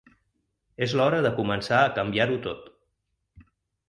És l’hora de començar a canviar-ho tot.